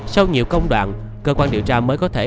sau nhiều công đoạn cơ quan điều tra mới có thể